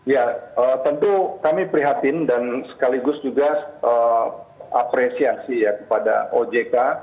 ya tentu kami prihatin dan sekaligus juga apresiasi ya kepada ojk